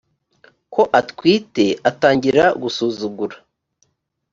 ko atwite atangira gusuzugura